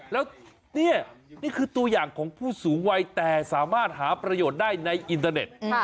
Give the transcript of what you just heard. แล้วนี่นี่คือตัวอย่างของผู้สูงวัยแต่สามารถหาประโยชน์ได้ในอินเตอร์เน็ต